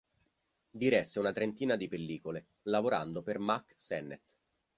Diresse una trentina di pellicole, lavorando per Mack Sennett.